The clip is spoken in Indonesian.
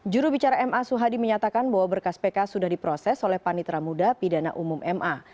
jurubicara ma suhadi menyatakan bahwa berkas pk sudah diproses oleh panitra muda pidana umum ma